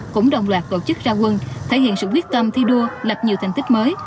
cũng đồng loạt tổ chức ra quân thể hiện sự quyết tâm thi đua lập nhiều thành tích mới